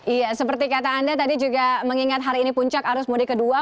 iya seperti kata anda tadi juga mengingat hari ini puncak arus mudik kedua